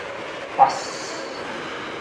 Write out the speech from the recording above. пас